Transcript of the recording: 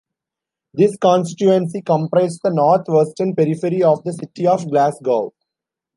This constituency comprised the north western periphery of the City of Glasgow.